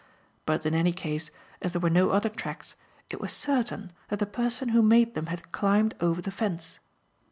But in any case, as there were no other tracks, it was certain that the person who made them had climbed over the fence.